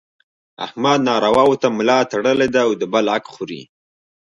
احمد نارواوو ته ملا تړلې ده او د بل حق خوري.